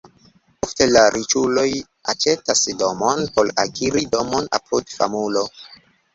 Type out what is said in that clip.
Ofte la riĉuloj aĉetas domon por akiri domon apud famulo.